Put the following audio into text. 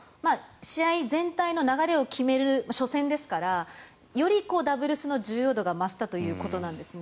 試合全体の流れを決める初戦ですからよりダブルスの重要度が増したということなんですね。